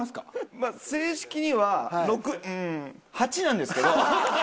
まあ正式には６うーん８なんですけど。